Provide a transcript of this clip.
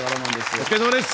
お疲れさまです。